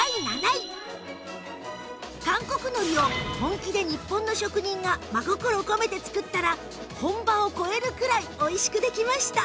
「韓国海苔を本気で日本の職人が真心を込めてつくったら本場を超えるくらい美味しくできました」